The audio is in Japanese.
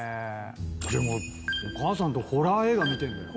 でもお母さんとホラー映画見てんだよ。